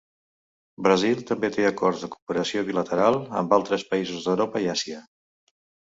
Brasil també té acords de cooperació bilateral amb altres països d"Europa i Àsia.